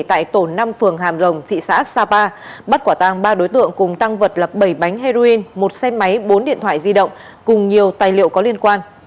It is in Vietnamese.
tại tổ năm phường hàm rồng thị xã sapa bắt quả tang ba đối tượng cùng tăng vật là bảy bánh heroin một xe máy bốn điện thoại di động cùng nhiều tài liệu có liên quan